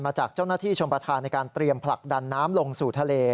จากเจ้าหน้าที่ชมประธานในการเตรียมผลักดันน้ำลงสู่ทะเล